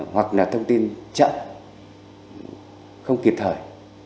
hoặc là thông tin chậm không kịp thời